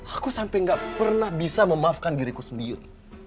aku sampai gak pernah bisa memaafkan diriku sendiri